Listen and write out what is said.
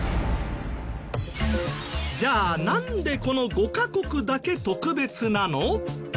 じゃあなんでこの５カ国だけ特別なの？